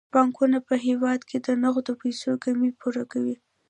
بانکونه په هیواد کې د نغدو پيسو کمی پوره کوي.